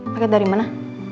paket dari mana